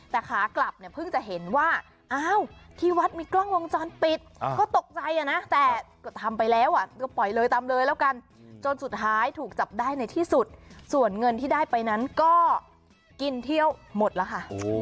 แต่ขากลับเนี่ยเพิ่งจะเห็นว่าอ้าวที่วัดมีกล้องวงจรปิดก็ตกใจนะแต่ก็ทำไปแล้วก็ปล่อยเลยตามเลยแล้วกันจนสุดท้ายถูกจับได้ในที่สุดส่วนเงินที่ได้ไปนั้นก็กินเที่ยวหมดแล้วค่ะ